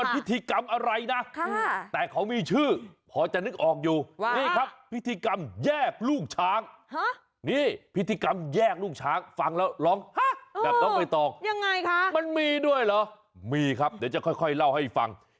พิธีกรรมที่เกี่ยวกับช้าง